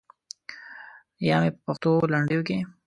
یا مې په پښتو لنډیو کې.